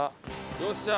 よっしゃ！